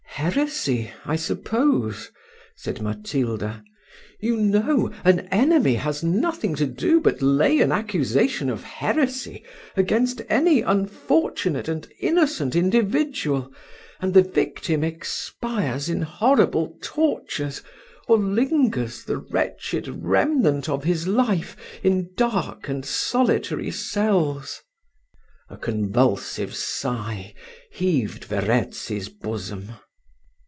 "Heresy, I suppose," said Matilda. "You know, an enemy has nothing to do but lay an accusation of heresy against any unfortunate and innocent individual, and the victim expires in horrible tortures, or lingers the wretched remnant of his life in dark and solitary cells." A convulsive sigh heaved Verezzi's bosom.